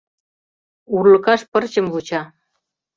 Урлыкаш пырчым вуча.